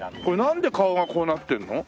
これなんで顔がこうなってるの？